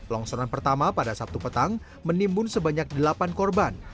longsoran pertama pada sabtu petang menimbun sebanyak delapan korban